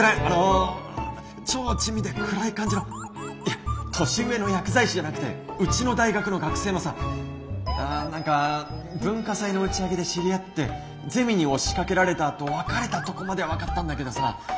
あの超地味で暗い感じのいや年上の薬剤師じゃなくてうちの大学の学生のさ何か文化祭の打ち上げで知り合ってゼミに押しかけられたあと別れたとこまでは分かったんだけどさ